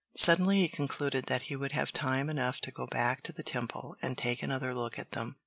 Suddenly he concluded that he would have time enough to go back to the Temple and take another look at them.